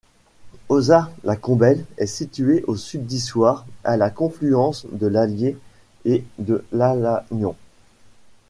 Auzat-la-Combelle est située au sud d'Issoire, à la confluence de l'Allier et de l'Alagnon.